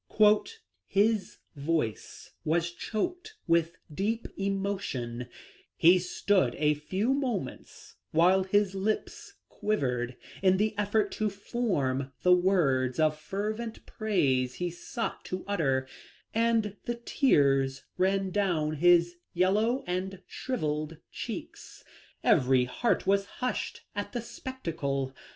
" His voice was choked with deep emotion ; he stood a few moments while his lips quivered in the effort to form the words of fervent praise he sought to utter, and the tears ran down his yellow and shrivelled cheeks. Every heart was hushed at the spectacle.